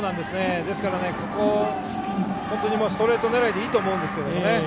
ですから、ここは本当にストレート狙いでいいと思うんですけどね。